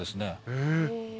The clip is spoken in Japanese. え。